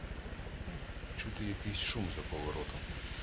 Чути якийсь шум за поворотом.